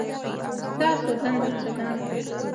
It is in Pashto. ستاسو دنده څه ده؟